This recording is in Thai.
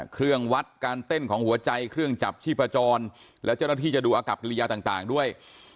เครื่องวัดการเต้นของหัวใจเครื่องจับชีพจรแล้วเจ้าหน้าที่จะดูอากับกิริยาต่างด้วย